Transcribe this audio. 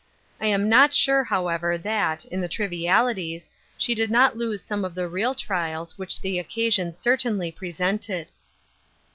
I am not sure, however, that, in the trivialities, she did not lose some of the real trials which the occa sion certainly presented.